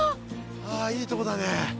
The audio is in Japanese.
あいいとこだね。